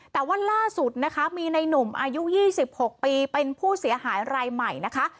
แต่ว่าล่าสุดนะคะมีในหนุ่มอายุ๒๖ปีเป็นผู้เสียหายรายใหม่นะคะ